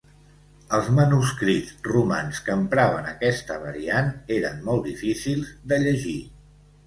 Els manuscrits romans que empraven aquesta variant eren molt difícils de llegir.